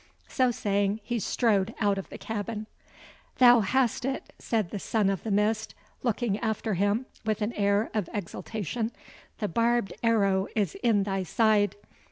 So saying, he strode out of the cabin. "Thou hast it!" said the Son of the Mist, looking after him with an air of exultation; "the barbed arrow is in thy side!